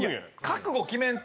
覚悟決めんと！